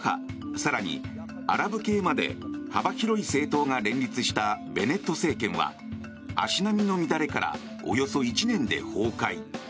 更にアラブ系まで幅広い政党が連立したベネット政権は足並みの乱れからおよそ１年で崩壊。